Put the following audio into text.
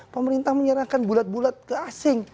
pemerintah menyerahkan bulat bulat ke asing